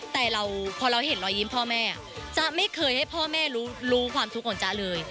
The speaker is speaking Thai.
แต่เราพอเราเห็นรอยยิ้มพ่อแม่จ๊ะไม่เคยให้พ่อแม่รู้ความทุกข์ของจ๊ะเลย